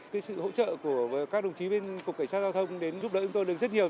cái sự hỗ trợ của các đồng chí bên cục cảnh sát giao thông đến giúp đỡ chúng tôi được rất nhiều